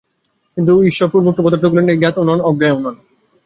কিন্তু ঈশ্বর পূর্বোক্ত পদার্থগুলির ন্যায় জ্ঞাতও নন, অজ্ঞেয়ও নন।